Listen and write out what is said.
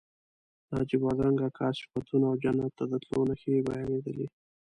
د حاجي بادرنګ اکا صفتونه او جنت ته د تلو نښې بیانېدلې.